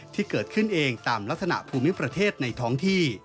ที่เกิดขึ้นเองตามลักษณะภูมิประเทศในท้องที่